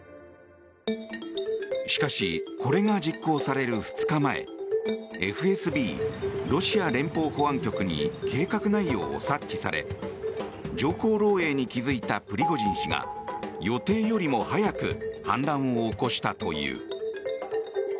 しかしこれが実行される２日前ＦＳＢ・ロシア連邦保安局に計画内容を察知され情報漏洩に気づいたプリゴジン氏が予定よりも早く反乱を起こしたという。